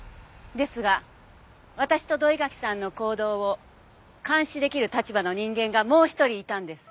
ですが私と土居垣さんの行動を監視できる立場の人間がもう一人いたんです。